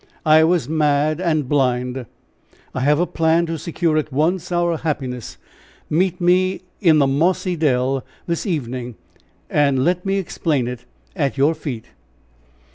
I was mad and blind. I have a plan to secure at once our happiness. Meet me in the Mossy dell this evening, and let me explain it at your feet."